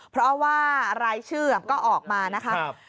เพราะว่ารายชื่อก็ออกมานะครับ